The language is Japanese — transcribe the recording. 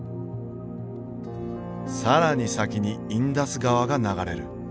更に先にインダス川が流れる。